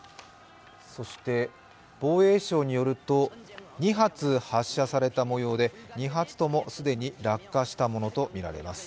そして、防衛省によると２発発射されたもようで２発とも既に落下したものとみられます。